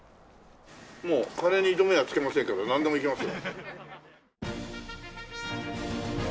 もう金に糸目はつけませんからなんでも行きますよ。